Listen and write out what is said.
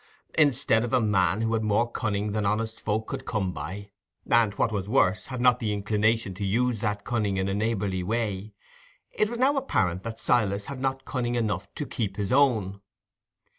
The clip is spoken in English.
Instead of a man who had more cunning than honest folks could come by, and, what was worse, had not the inclination to use that cunning in a neighbourly way, it was now apparent that Silas had not cunning enough to keep his own.